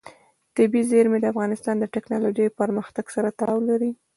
طبیعي زیرمې د افغانستان د تکنالوژۍ پرمختګ سره تړاو لري.